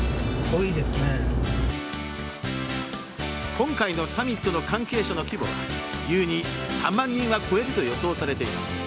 今回のサミットの関係者の規模は優に３万人は超えると予想されています。